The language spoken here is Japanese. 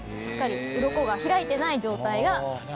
しっかりウロコが開いてない状態が。